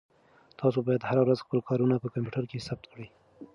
تاسو باید هره ورځ خپل کارونه په کمپیوټر کې ثبت کړئ.